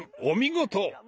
お見事！